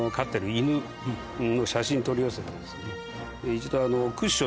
一度。